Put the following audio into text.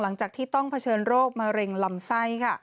หลังจากที่ต้องเผชิญโรคมะเร็งลำไส้